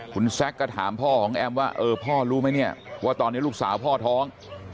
คุณแซคก็ถามพ่อของแอมว่าเออพ่อรู้ไหมเนี่ยว่าตอนนี้ลูกสาวพ่อท้อง